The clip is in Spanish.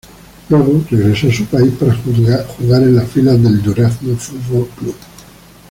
Luego regresó a su país para jugar en las filas del Durazno F. C..